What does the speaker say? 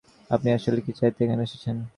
আপনি আসলে কী চাইতে এখানে এসেছেন?